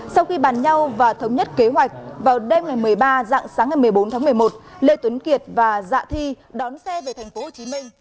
sau khi bàn nhau và thống nhất kế hoạch vào đêm ngày một mươi ba dạng sáng ngày một mươi bốn tháng một mươi một lê tuấn kiệt và dạ thi đón xe về tp hcm